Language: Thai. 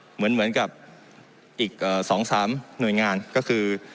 เหมือนกับอีก๒๓หน่วยงานก็คือ